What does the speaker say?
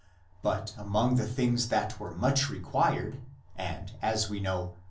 2 But among the things that were much required, and, as we know, much 1 See Q.